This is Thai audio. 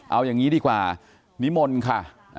เอาอย่างนี้ดีกว่านิมนต์ค่ะ